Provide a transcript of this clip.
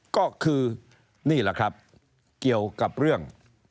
ก็คือนี่แหละครับเกี่ยวกับเรื่อง